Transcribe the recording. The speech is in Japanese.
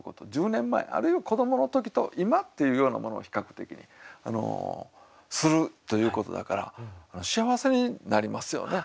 １０年前あるいは子どもの時と今っていうようなものを比較的にするということだから幸せになりますよね。